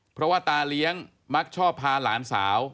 เพราะว่าตาเลี้ยงมักชอบพาหลานสาว